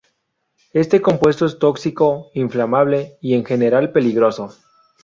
Este compuesto es tóxico, inflamable y en general peligroso.